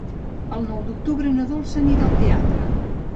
El nou d'octubre na Dolça anirà al teatre.